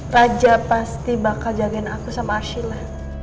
raja pasti bakal jagain aku sama arshila